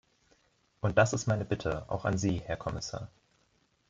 Und das ist meine Bitte auch an Sie, Herr Kommissar.